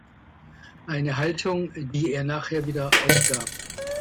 Eine Haltung die er nachher wieder aufgab.